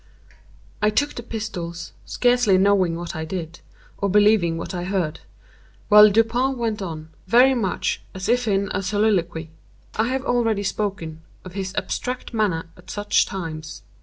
I took the pistols, scarcely knowing what I did, or believing what I heard, while Dupin went on, very much as if in a soliloquy. I have already spoken of his abstract manner at such times.